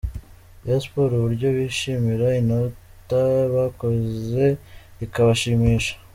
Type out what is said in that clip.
Rayon Sports uburyo bishimira inota bakoze rikabashimisha.